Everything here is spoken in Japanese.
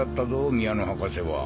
宮野博士は。